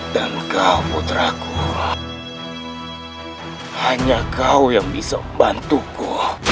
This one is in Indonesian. dan kau putraku hanya kau yang bisa membantuku